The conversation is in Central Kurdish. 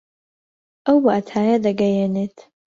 ئەو واتایە دەگەیەنێت